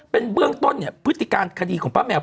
เป็นเบื้องต้นเนี่ยพฤติการคดีของป้าแมว